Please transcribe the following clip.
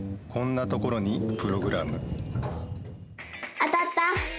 当たった！